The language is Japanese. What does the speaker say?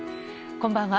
こんばんは。